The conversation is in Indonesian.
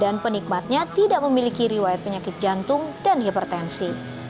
dan penikmatnya tidak memiliki riwayat penyakit jantung dan hipertensi